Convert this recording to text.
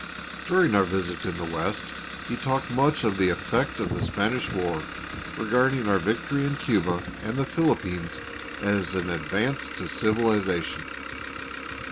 During our visit in the West, he talked much of the effect of the Spanish war, regarding our victory in Cuba and the Philippines as an advance to civilisation.